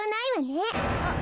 あっ。